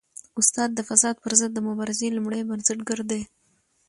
استاد د فساد پر ضد د مبارزې لومړی بنسټګر دی.